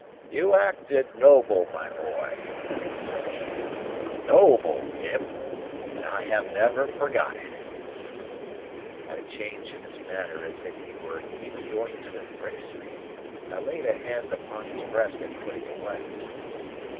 "You acted noble, my boy," said he. "Noble, Pip! And I have never forgot it!" At a change in his manner as if he were even going to embrace me, I laid a hand upon his breast and put him away.